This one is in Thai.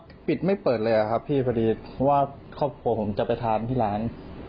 คือปิดไม่เปิดเลยอะครับพี่พอดีว่าครอบครัวผมจะไปทานที่ร้าน